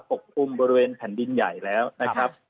ปกคลุมบริเวณแผ่นดินใหญ่แล้วนะครับ